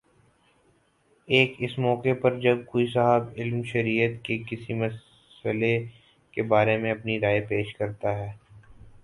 ایک اس موقع پر جب کوئی صاحبِ علم شریعت کے کسی مئلے کے بارے میں اپنی رائے پیش کرتا ہے